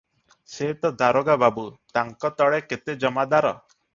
ସେ ତ ଦରୋଗା ବାବୁ, ତାଙ୍କ ତଳେ କେତେ ଜମାଦାର ।